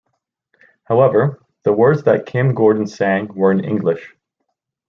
However, the words that Kim Gordon sang were in English.